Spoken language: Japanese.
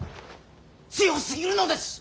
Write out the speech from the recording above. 強すぎるのです。